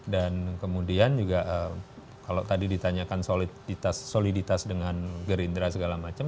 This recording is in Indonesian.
dan kemudian juga kalau tadi ditanyakan soliditas dengan gerindra segala macam